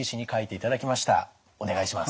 お願いします。